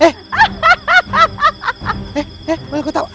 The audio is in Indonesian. eh eh malah gue tau